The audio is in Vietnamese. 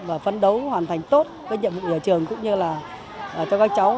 và phấn đấu hoàn thành tốt với nhiệm vụ nhà trường cũng như là cho các cháu